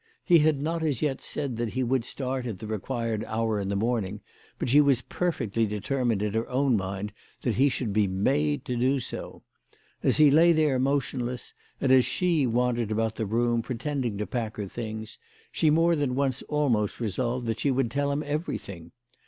He had not as yet said that he would start at the required hour in the morning, but she was per fectly determined in her own mind that he should be made to do so. As he lay there motionless, and as she wandered about the room pretending to pack her things, she more than once almost resolved that she would tell him everything.